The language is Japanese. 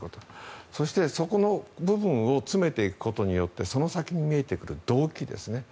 そして、そこの部分を詰めていくことによってその先に見えてくる動機ですね。